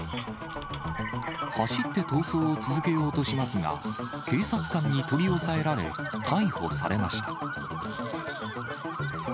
走って逃走を続けようとしますが、警察官に取り押さえられ、逮捕されました。